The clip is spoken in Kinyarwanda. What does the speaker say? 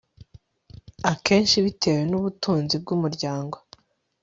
akenshi bitewe nubutunzi bwumuryango